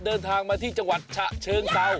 เดินทางมาที่จังหวัดฉะเชิงเซา